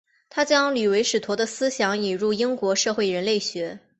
他将李维史陀的思想引进英国社会人类学。